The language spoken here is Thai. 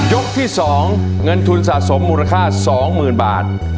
ที่๒เงินทุนสะสมมูลค่า๒๐๐๐บาท